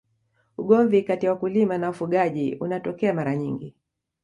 ugomvi kati ya wakulima na wafugaji unatokea mara nyingi